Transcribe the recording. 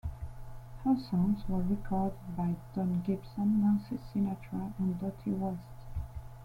Her songs were recorded by Don Gibson, Nancy Sinatra, and Dottie West.